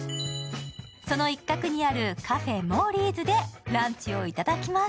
その一角にあるカフェモーリーズでランチをいただきます。